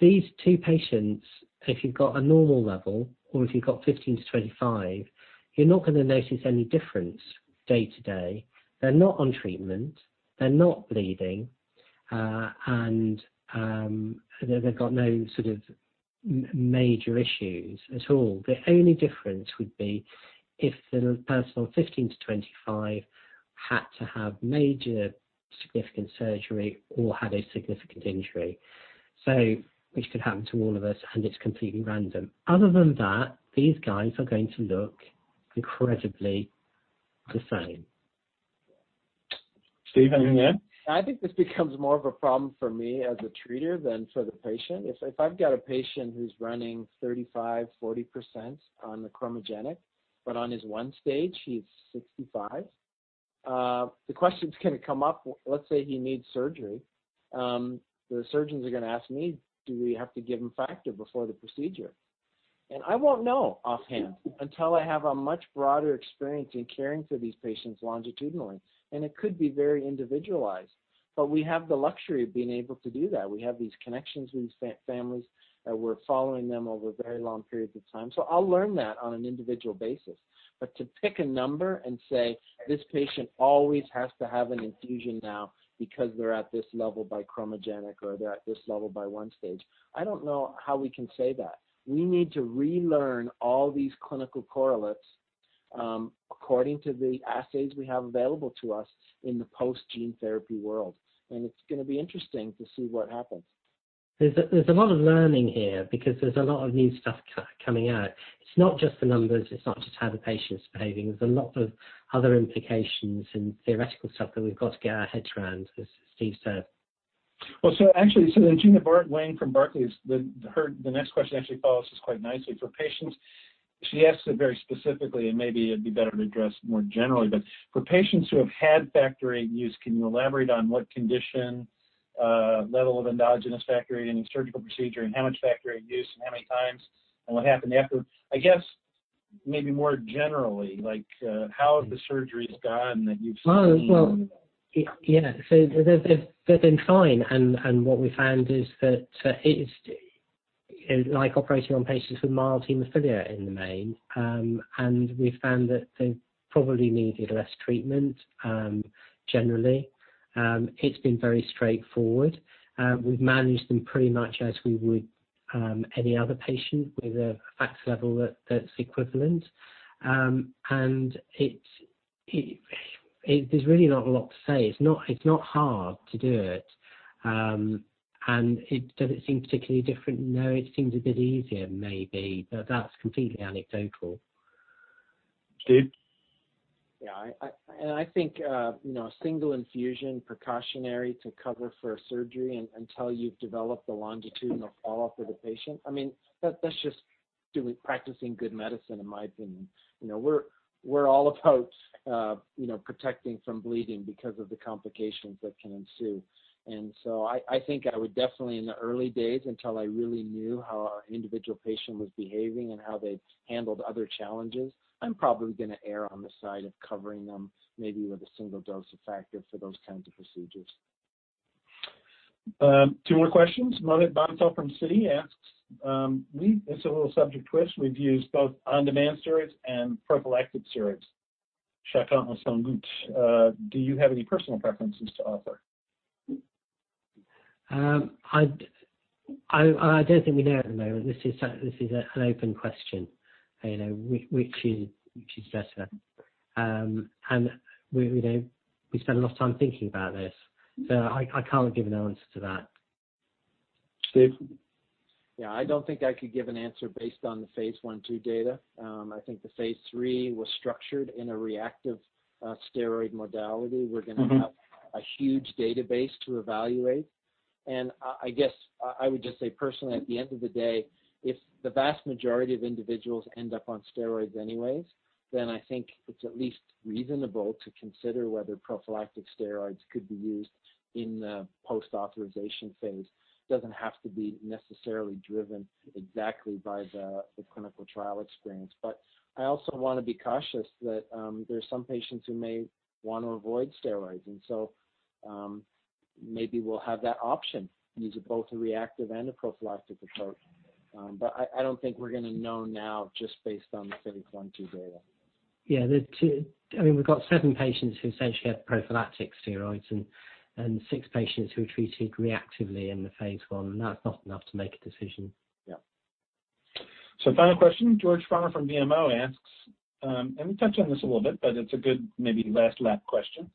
these two patients, if you've got a normal level or if you've got 15-25, you're not going to notice any difference day to day. They're not on treatment. They're not bleeding. And they've got no sort of major issues at all. The only difference would be if the person on 15-25 had to have major significant surgery or had a significant injury, which could happen to all of us, and it's completely random. Other than that, these guys are going to look incredibly the same. Steve, anything there? I think this becomes more of a problem for me as a treater than for the patient. If I've got a patient who's running 35%-40% on the chromogenic, but on his one-stage, he's 65, the questions can come up. Let's say he needs surgery. The surgeons are going to ask me, "Do we have to give him factor before the procedure?" And I won't know offhand until I have a much broader experience in caring for these patients longitudinally. And it could be very individualized. But we have the luxury of being able to do that. We have these connections, these families that we're following them over very long periods of time. So I'll learn that on an individual basis. But to pick a number and say, "This patient always has to have an infusion now because they're at this level by chromogenic or they're at this level by one stage," I don't know how we can say that. We need to relearn all these clinical correlates according to the assays we have available to us in the post-gene therapy world. And it's going to be interesting to see what happens. There's a lot of learning here because there's a lot of new stuff coming out. It's not just the numbers. It's not just how the patient's behaving. There's a lot of other implications and theoretical stuff that we've got to get our heads around, as Steve said. Well, so actually, so then Gena Wang from Barclays has heard the next question actually follows us quite nicely. For patients, she asks it very specifically, and maybe it'd be better to address more generally. But for patients who have had Factor VIII use, can you elaborate on what condition, level of endogenous Factor VIII, any surgical procedure, and how much Factor VIII use and how many times and what happened after? I guess maybe more generally, how have the surgeries gone that you've seen? Well, yeah. So they've been fine. And what we found is that it's like operating on patients with mild hemophilia in the main. And we've found that they've probably needed less treatment generally. It's been very straightforward. We've managed them pretty much as we would any other patient with a factor level that's equivalent. And there's really not a lot to say. It's not hard to do it. And does it seem particularly different? No, it seems a bit easier, maybe. But that's completely anecdotal. Steve? Yeah. And I think a single infusion precautionary to cover for a surgery until you've developed the longitudinal follow-up with a patient, I mean, that's just practicing good medicine, in my opinion. We're all about protecting from bleeding because of the complications that can ensue. And so I think I would definitely, in the early days, until I really knew how an individual patient was behaving and how they handled other challenges, I'm probably going to err on the side of covering them maybe with a single dose of factor for those kinds of procedures. Two more questions. Mohit Bansal from Citi asks, "It's a little subject twist. We've used both on-demand steroids and prophylactic steroids. Do you have any personal preferences to offer? I don't think we know at the moment. This is an open question, which is better, and we spend a lot of time thinking about this, so I can't give an answer to that. Steve? Yeah. I don't think I could give an answer based on the phase one, two data. I think the phase three was structured in a reactive steroid modality. We're going to have a huge database to evaluate. And I guess I would just say, personally, at the end of the day, if the vast majority of individuals end up on steroids anyways, then I think it's at least reasonable to consider whether prophylactic steroids could be used in the post-authorization phase. It doesn't have to be necessarily driven exactly by the clinical trial experience. But I also want to be cautious that there are some patients who may want to avoid steroids. And so maybe we'll have that option, use both a reactive and a prophylactic approach. But I don't think we're going to know now just based on the phase one, two data. Yeah. I mean, we've got seven patients who essentially have prophylactic steroids and six patients who are treated reactively in the phase one. And that's not enough to make a decision. Yeah. Final question. George Farmer from BMO asks, and we touched on this a little bit, but it's a good maybe last lap question.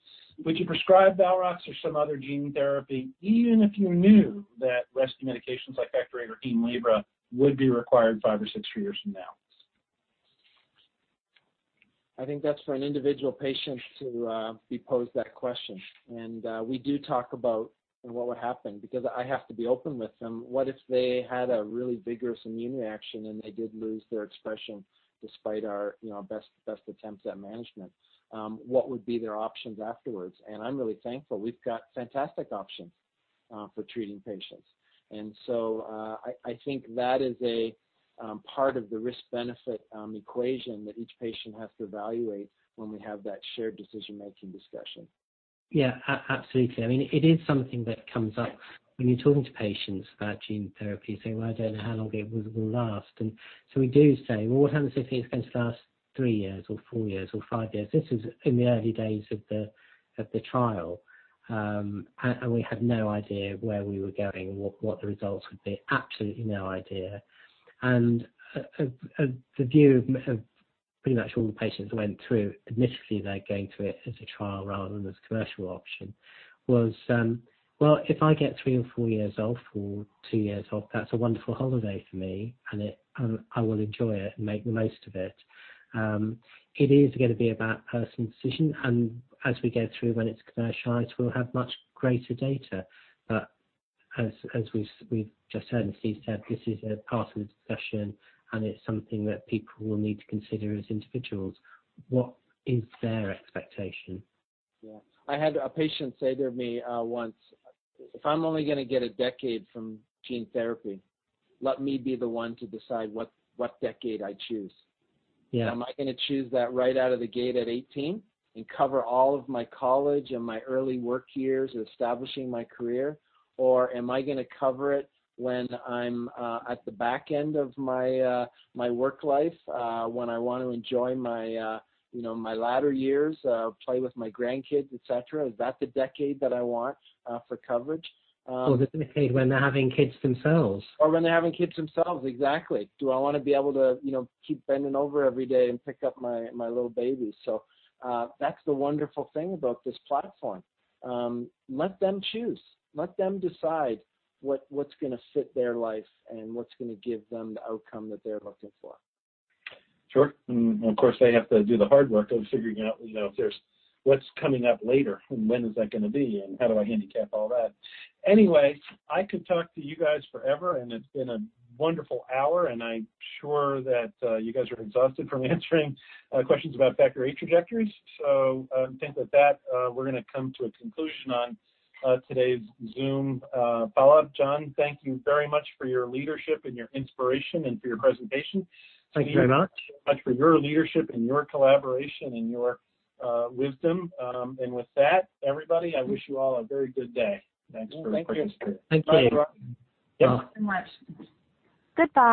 Would you prescribe Valrox or some other gene therapy, even if you knew that rescue medications like Factor VIII or Hemlibra would be required five or six years from now? I think that's for an individual patient to be posed that question. And we do talk about what would happen because I have to be open with them. What if they had a really vigorous immune reaction and they did lose their expression despite our best attempts at management? What would be their options afterwards? And I'm really thankful. We've got fantastic options for treating patients. And so I think that is a part of the risk-benefit equation that each patient has to evaluate when we have that shared decision-making discussion. Yeah. Absolutely. I mean, it is something that comes up when you're talking to patients about gene therapy, saying, "Well, I don't know how long it will last." And so we do say, "Well, what happens if it's going to last three years or four years or five years?" This was in the early days of the trial. And we had no idea where we were going and what the results would be. Absolutely no idea. And the view of pretty much all the patients that went through, admittedly, they're going through it as a trial rather than as a commercial option, was, "Well, if I get three or four years off or two years off, that's a wonderful holiday for me. And I will enjoy it and make the most of it." It is going to be a personal decision. As we go through, when it's commercialized, we'll have much greater data. But as we've just heard and Steve said, this is a part of the discussion. It's something that people will need to consider as individuals. What is their expectation? Yeah. I had a patient say to me once, "If I'm only going to get a decade from gene therapy, let me be the one to decide what decade I choose. Am I going to choose that right out of the gate at 18 and cover all of my college and my early work years establishing my career? Or am I going to cover it when I'm at the back end of my work life when I want to enjoy my latter years, play with my grandkids, etc.? Is that the decade that I want for coverage? Or the decade when they're having kids themselves. Or when they're having kids themselves. Exactly. Do I want to be able to keep bending over every day and pick up my little baby? So that's the wonderful thing about this platform. Let them choose. Let them decide what's going to fit their life and what's going to give them the outcome that they're looking for. Sure. And of course, they have to do the hard work of figuring out if there's what's coming up later and when is that going to be and how do I handicap all that. Anyway, I could talk to you guys forever. And it's been a wonderful hour. And I'm sure that you guys are exhausted from answering questions about Factor VIII trajectories. So I think with that, we're going to come to a conclusion on today's Zoom follow-up. John, thank you very much for your leadership and your inspiration and for your presentation. Thank you very much. Thank you so much for your leadership and your collaboration and your wisdom. And with that, everybody, I wish you all a very good day. Thanks for your participation. Thank you. Thank you. Thank you. Thank you so much. Goodbye.